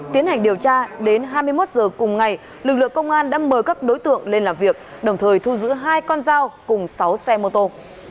tiến hành điều tra đến hai mươi một h cùng ngày lực lượng công an đã mời các đối tượng lên làm việc đồng thời thu giữ hai con dao cùng sáu xe mô tô